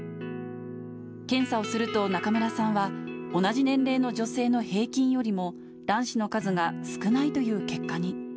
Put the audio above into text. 検査をすると中村さんは、同じ年齢の女性の平均よりも、卵子の数が少ないという結果に。